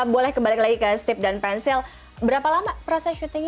boleh kebalik lagi ke steve dan prancil berapa lama proses syutingnya